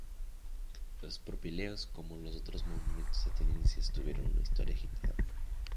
Los Propileos, como los otros monumentos atenienses tuvieron una historia agitada.